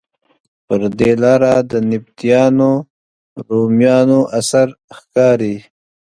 پر دې لاره د نبطیانو، رومیانو اثار ښکاري.